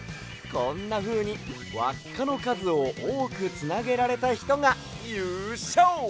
こんなふうにわっかのかずをおおくつなげられたひとがゆうＳＹＯ！